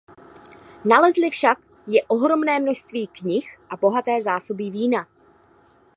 Nalezli však je ohromné množství knih a bohaté zásoby vína.